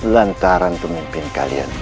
lantaran pemimpin kalian